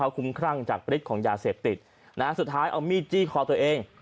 คุ้มครั่งจากฤทธิ์ของยาเสพติดสุดท้ายเอามีดจี้คอตัวเอง